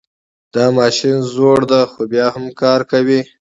دا ماشین زوړ ده خو بیا هم کار کوي